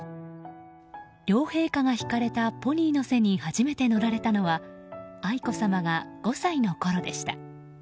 両陛下が引かれたポニーの背に初めて乗られたのは愛子さまが５歳のころでした。